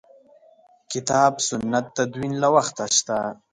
کتاب سنت تدوین له وخته شته.